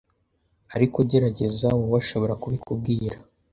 ariko gerageza wowe ashobora kubikubwira